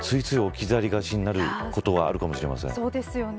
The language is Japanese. ついつい置き去りがちになることがあるかもしれません。